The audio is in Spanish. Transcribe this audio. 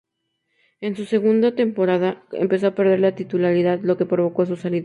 En su segundo temporada empezó a perder la titularidad, lo que provocó su salida.